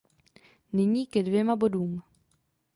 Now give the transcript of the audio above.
Nyní ke dvěma bodům.